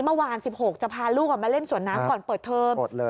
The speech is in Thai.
เมื่อวาน๑๖จะพาลูกออกมาเล่นสวนน้ำก่อนเปิดเทอม